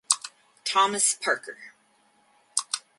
Thomas Parker.